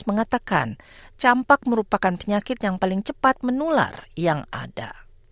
mengatakan campak merupakan penyakit yang paling cepat menular yang ada